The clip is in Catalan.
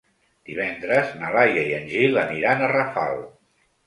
Divendres na Laia i en Gil aniran a Rafal.